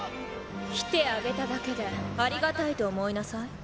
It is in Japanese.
来てあげただけでありがたいと思いなさい。